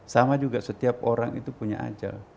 sama juga setiap orang itu punya ajal